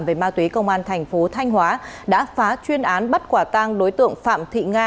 về ma túy công an thành phố thanh hóa đã phá chuyên án bắt quả tang đối tượng phạm thị nga